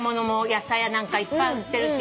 野菜やなんかいっぱい売ってるし。